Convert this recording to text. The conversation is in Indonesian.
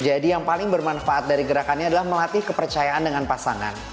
jadi yang paling bermanfaat dari gerakannya adalah melatih kepercayaan dengan pasangan